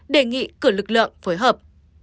đề nghị cử lực lượng phối hợp